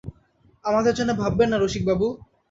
আমাদের জন্যে ভাববেন না রসিকবাবু!